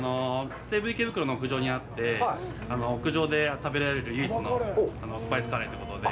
西部池袋の屋上にあって、屋上で食べられる唯一のスパイスカレーということで。